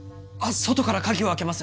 外から鍵を開けます。